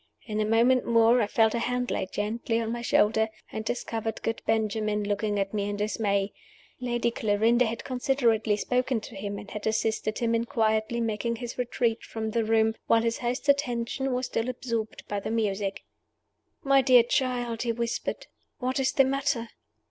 In a moment more I felt a hand laid gently on my shoulder, and discovered good Benjamin looking at me in dismay. Lady Clarinda had considerately spoken to him, and had assisted him in quietly making his retreat from the room, while his host's attention was still absorbed by the music. "My dear child!" he whispered, "what is the matter?"